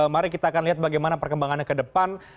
mari kita akan lihat bagaimana perkembangannya ke depan